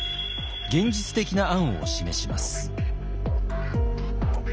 現実的な案を示します。